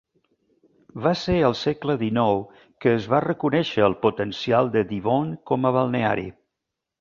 Va ser al segle XIX que es va reconèixer el potencial de Divonne com a balneari.